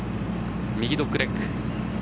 右ドッグレッグ。